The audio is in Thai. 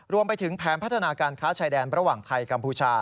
รวมไปถึงแผนพัฒนาการค้าชายแดนระหว่างไทยกัมพูชา